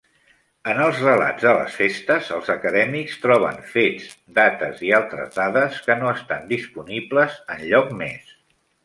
En els relats de les festes, els acadèmics troben fets, dates i altres dades que no estan disponibles enlloc més.